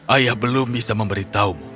ayah belum bisa memberitahumu